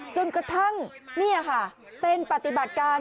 จนกระทั่งนี่ค่ะเป็นปฏิบัติการ